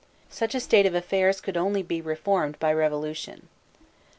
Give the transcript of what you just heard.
Such a state of affairs could only be reformed by revolution.